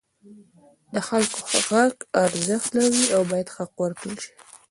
د خلکو غږ ارزښت لري او باید حق ورکړل شي.